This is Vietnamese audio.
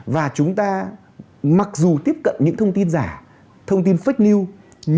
và chúng ta mặc dù tiếp cận những thông tin giả thông tin fake news